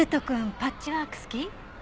パッチワーク好き？